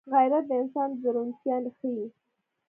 غیرت د انسان درونتيا ښيي